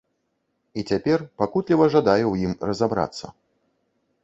І цяпер пакутліва жадаю ў ім разабрацца.